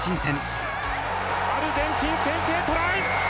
アルゼンチン先制トライ！